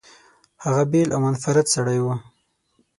هغه بېل او منفرد سړی و.